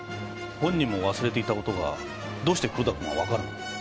本人も忘れていたことがどうして黒田君は分かるの？